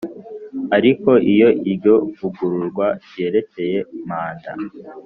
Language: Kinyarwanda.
Ariko iyo iryo vugururwa ryerekeye manda